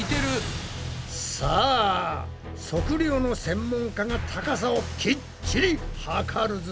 さあ測量の専門家が高さをきっちり測るぞ。